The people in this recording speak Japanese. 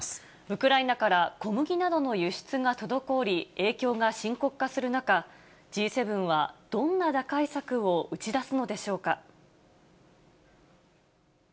ウクライナから小麦などの輸出が滞り、影響が深刻化する中、Ｇ７はどんな打開策を打ち出すのでしょうか。